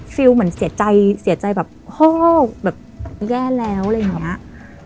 ฟิลเหมือนเสียใจเสียใจแบบโฮแบบแย่แล้วอะไรอย่างนี้